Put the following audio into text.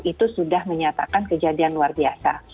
itu sudah menyatakan kejadian luar biasa